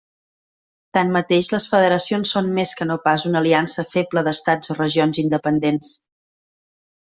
Tanmateix les federacions són més que no pas una aliança feble d'estats o regions independents.